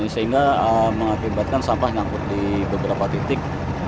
sehingga mengakibatkan sampah nyangkut di beberapa titik